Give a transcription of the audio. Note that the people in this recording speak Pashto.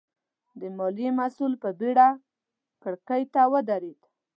د ماليې مسوول په بېړه کړکۍ ته ودرېد.